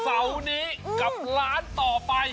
เสาร์นี้กับร้านต่อไป